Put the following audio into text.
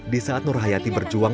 di saat nur hayati berjuang